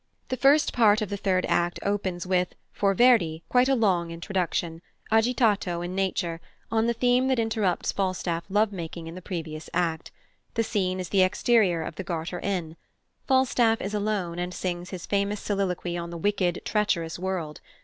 The first part of the third act opens with, for Verdi, quite a long introduction, agitato in nature, on the theme that interrupts Falstaff's love making in the previous act. The scene is the exterior of the Garter Inn. Falstaff is alone, and sings his famous soliloquy on the wicked, treacherous world.